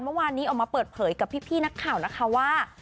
เมื่อวานนี้ออกมาเปิดเผยกับพี่นักข่าวนะคะว่า